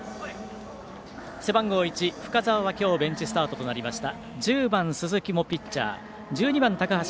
背番号１、深沢は今日ベンチスタートとなりました。